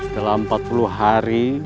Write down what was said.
setelah empat puluh hari